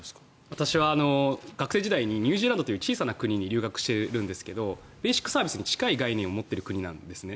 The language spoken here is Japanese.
私は学生時代にニュージーランドという小さな国に留学していたんですがベーシックサービスに近い概念を持っている国なんですね。